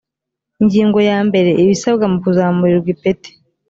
ingingo ya mbere ibisabwa mu kuzamurirwa ipeti